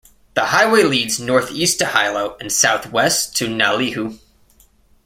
The highway leads northeast to Hilo and southwest to Naalehu.